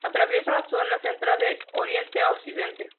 Atraviesa la Zona Central de oriente a occidente.